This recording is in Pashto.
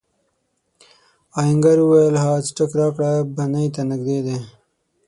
آهنګر وویل هغه څټک راکړه بنۍ ته نږدې دی.